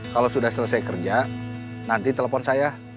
kalau sudah selesai kerja nanti telepon saya